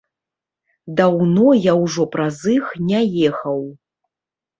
Даўно я ўжо праз іх не ехаў.